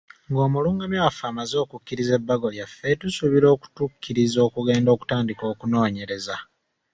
Ng'omulungamya waffe amaze okukkiriza ebbago lyaffe, tusuubira okutukkiriza okugenda okutandika okunoonyereza.